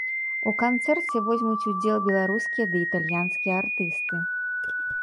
У канцэрце возьмуць удзел беларускія ды італьянскія артысты.